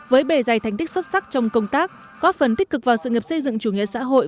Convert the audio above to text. với bề dày thành tích xuất sắc trong công tác góp phần tích cực vào sự nghiệp xây dựng chủ nghĩa xã hội